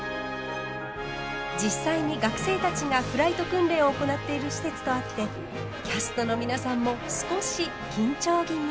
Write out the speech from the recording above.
実際に学生たちがフライト訓練を行っている施設とあってキャストの皆さんも少し緊張気味。